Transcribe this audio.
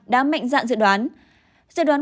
đã mệnh dạng dự đoán dự đoán